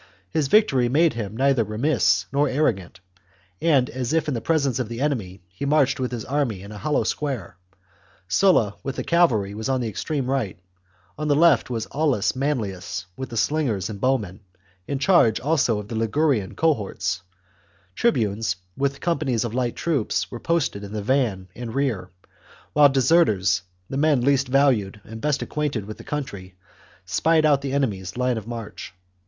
His victory made him neither remiss nor arrogant, and, as if in the pre sence of the enemy, he marched with his army in a hollow square; Sulla, with the cavalry, was on the c. 232 THE JUGURTHINE WAR. CHAP, extreme right ; on the left was Aulus Manlius, with the slingers and bowmen, in charge also of the Ligurian cohorts ; tribunes, with companies of light troops, were posted in the van and rear ; while deserters, the men least valued and best acquainted with the coun try, spied out the enemy's line of march.